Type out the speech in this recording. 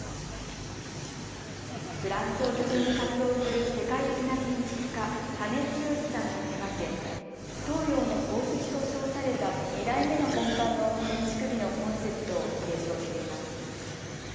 フランスを拠点に活動する世界的な建築家、田根剛さんが手がけ東洋の宝石と称された２代目の本館の建築美のコンセプトを継承しています。